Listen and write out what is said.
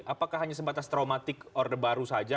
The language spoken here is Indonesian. apakah hanya sebatas traumatik orde baru saja